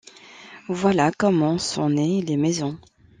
Voilà comment sont nées les maisons.